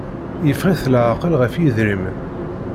Yeffeɣ-it laɛqel ɣef idrimen.